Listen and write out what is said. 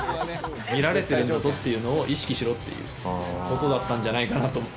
見られてるんだぞっていうのを意識しろっていうことだったんじゃないかなと。